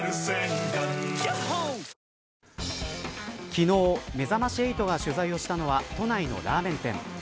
昨日、めざまし８が取材をしたのは都内のラーメン店。